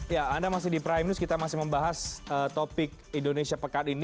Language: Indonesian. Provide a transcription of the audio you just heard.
ya anda masih di prime news kita masih membahas topik indonesia pekat ini